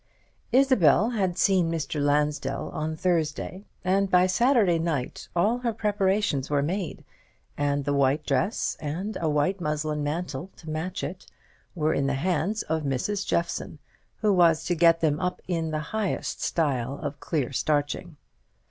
Isabel had met Mr. Lansdell on Thursday; and by Saturday night all her preparations were made, and the white dress, and a white muslin mantle to match it, were in the hands of Mrs. Jeffson, who was to get them up in the highest style of clear starching.